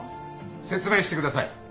説明してください。